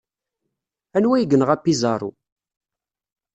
Anwa ay yenɣa Pizarro?